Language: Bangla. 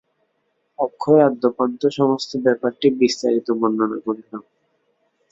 অক্ষয় আদ্যোপান্ত সমস্ত ব্যাপারটি বিস্তারিত করিয়া বর্ণনা করিল।